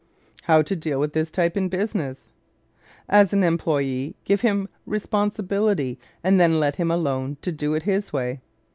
How to Deal with this Type in Business ¶ As an employee, give him responsibility and then let him alone to do it his way.